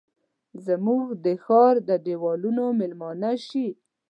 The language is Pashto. زموږ د ښارد دیوالونو میلمنه شي